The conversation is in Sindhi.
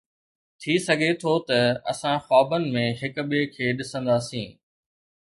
ٿي سگهي ٿو ته اسان خوابن ۾ هڪ ٻئي کي ڏسندا سين